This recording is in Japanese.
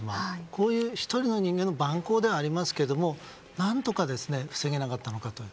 こういう１人の人間の蛮行ではありますけれども何とか防げなかったのかと。